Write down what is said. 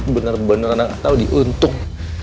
bener bener gak tau diuntung